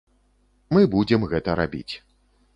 Мы будзем гэта рабіць.